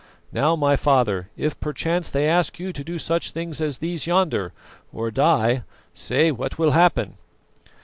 Now, my father, if perchance they ask you to do such things as these yonder, or die, say what will happen?"